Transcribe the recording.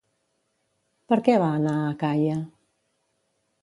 Per què va anar a Acaia?